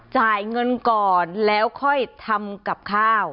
จ่ายเงินก่อนแล้วค่อยทำกับข้าว